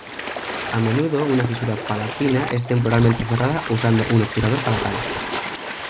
A menudo una fisura palatina es temporalmente cerrada usando un obturador palatal.